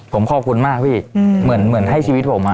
ผมขอบคุณมากพี่อืมเหมือนเหมือนให้ชีวิตผมอ่ะ